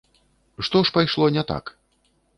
Што ж пайшло не так?